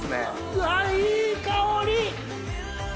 うわいい香り！